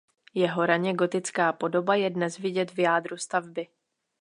Jeho raně gotická podoba je dnes vidět v jádru stavby.